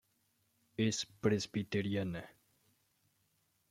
Es presbiteriana.